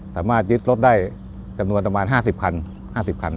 สามารถยึดรถได้จำนวนประมาณ๕๐คัน๕๐คัน